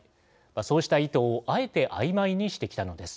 そうした意図をあえてあいまいにしてきたのです。